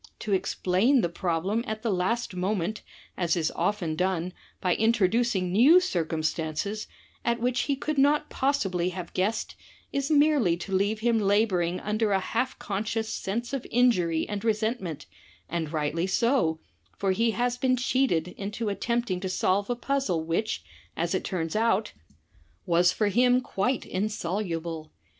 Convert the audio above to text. To explain the problem at the last mo ment, as is often done, by introducing new circumstances at which he could not possibly have guessed, is merely to leave him labouring under a half conscious sense of injury and resentment, and rightly so, for he has been cheated into attempting to solve a puzzle which, as it turns out, was for T ^*^< 7/^ ^ I ' i ../ V . Z)At;' , JUlJif^ (vHvC. ^DETECTIVE STORIES iS him quite insoluble.